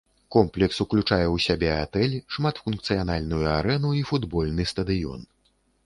Комплекс уключае ў сябе атэль, шматфункцыянальную арэну і футбольны стадыён.